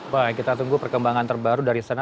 baik kita tunggu perkembangan terbaru dari sana